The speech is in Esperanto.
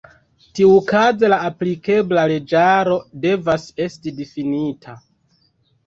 Tiuokaze la aplikebla leĝaro devas esti difinita.